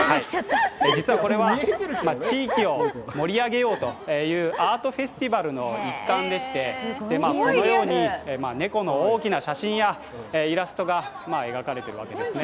実はこれは、地域を盛り上げようとアートフェスティバルの一環でしてこのように猫の大きな写真やイラストが描かれているわけですね。